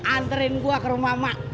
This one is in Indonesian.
anterin gue ke rumah mak